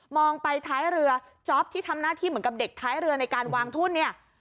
องไปท้ายเรือจ๊อปที่ทำหน้าที่เหมือนกับเด็กท้ายเรือในการวางทุนเนี่ย